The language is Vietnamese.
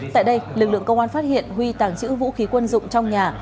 tại đây lực lượng công an phát hiện huy tàng trữ vũ khí quân dụng trong nhà